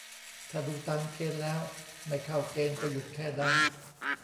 ถ้าดูตามเกณฑ์แล้ว ไม่เข้าเกณฑ์ ก็หยุดแค่นั้น